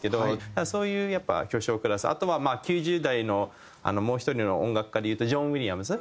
だからそういうやっぱ巨匠クラスあとは９０代のもう１人の音楽家でいうとジョン・ウィリアムズ。